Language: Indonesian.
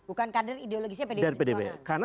bukan kader ideologisnya pdi perjuangan